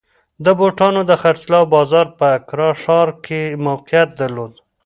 د بوټانو د خرڅلاو بازار په اکرا ښار کې موقعیت درلود.